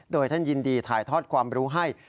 โดยท่านยินดีถ่ายทอดความรู้ให้